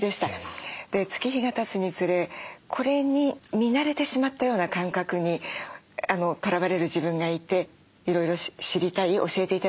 で月日がたつにつれこれに見慣れてしまったような感覚にとらわれる自分がいていろいろ知りたい教えて頂きたいという気持ちです。